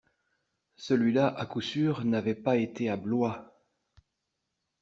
Celui-là, à coup sûr, n'avait pas été à Blois.